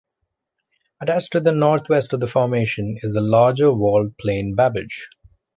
Attached to the northwest of the formation is the larger walled plain Babbage.